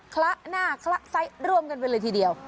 คละหน้าคละไซส์รวมกันไปเลยทีเดียว